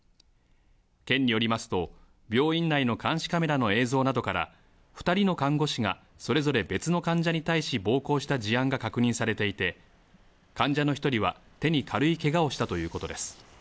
県によりますと、病院内の監視カメラの映像などから、２人の看護師が、それぞれ別の患者に対し暴行した事案が確認されていて、患者の１人は手に軽いけがをしたということです。